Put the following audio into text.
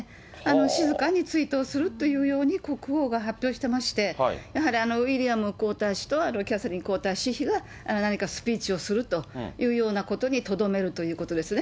静かに追悼するというふうに国王が発表してまして、やはりウィリアム皇太子とキャサリン皇太子妃が何かスピーチをするというようなことにとどめるということですね。